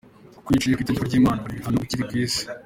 Kuko iyo uciye ku itegeko ry’Imana ubona ibihano ukiri mwisi.